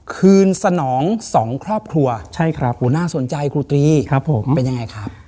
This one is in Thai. คืนสนอง๒ครอบครัวโหน่าสนใจครูตรีเป็นยังไงครับ